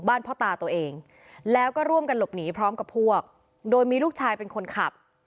พ่อตาตัวเองแล้วก็ร่วมกันหลบหนีพร้อมกับพวกโดยมีลูกชายเป็นคนขับ